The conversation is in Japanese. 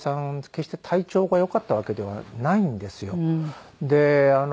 決して体調がよかったわけではないんですよ。